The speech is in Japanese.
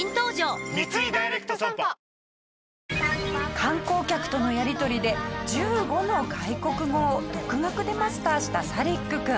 観光客とのやり取りで１５の外国語を独学でマスターしたサリック君。